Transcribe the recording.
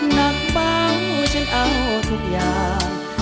หนักเบาฉันเอาทุกอย่าง